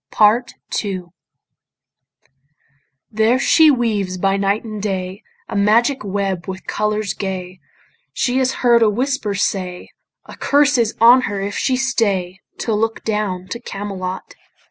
PART II There she weaves by night and day A magic web with colours gay. She has heard a whisper say, A curse is on her if she stay To look down to Camelot.